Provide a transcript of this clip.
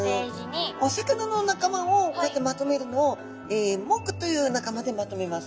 お魚の仲間をこうやってまとめるのを目という仲間でまとめます。